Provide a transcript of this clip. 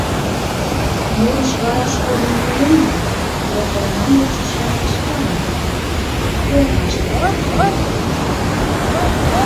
Нурыш вараш кодын мием гын, роколмам лукшо-шамыч палат: куэрлаште каналтен улына.